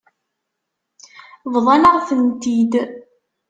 Bḍan-aɣ-tent-id.